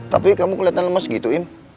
tapi kamu keliatan lemas gitu im